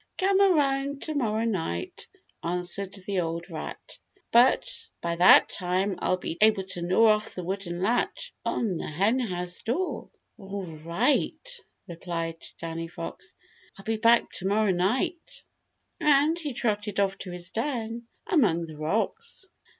"Come around tomorrow night," answered the old rat. "By that time I'll be able to gnaw off the wooden latch on the Henhouse door." "All right," replied Danny Fox, "I'll be back tomorrow night," and he trotted off to his den among the rocks.